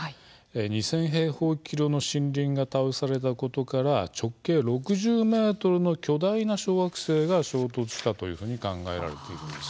２０００平方キロメートルの森林が倒されたことから直径６０ｍの巨大な小惑星が衝突したと考えられています。